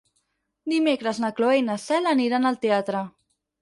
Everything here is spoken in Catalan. Dimecres na Cloè i na Cel aniran al teatre.